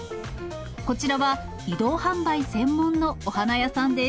こちらは移動販売専門のお花屋さんです。